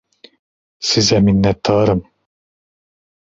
Size minnettarım!